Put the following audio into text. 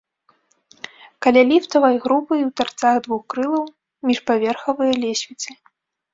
Каля ліфтавай групы і ў тарцах двух крылаў міжпаверхавыя лесвіцы.